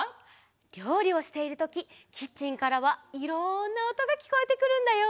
りょうりをしているときキッチンからはいろんなおとがきこえてくるんだよ！